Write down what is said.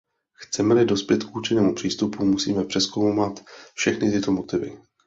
Chceme-li dospět k účinnému přístupu, musíme přezkoumat všechny tyto motivy.